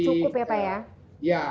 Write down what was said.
jadi cukup ya pak ya